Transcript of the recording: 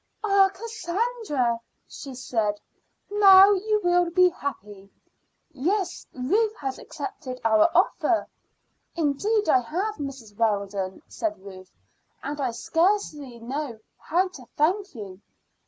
"Ah, Cassandra!" she said, "now you will be happy." "Yes; Ruth has accepted our offer." "Indeed I have, Mrs. Weldon," said Ruth; "and I scarcely know how to thank you."